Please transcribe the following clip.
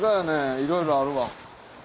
いろいろあるわ。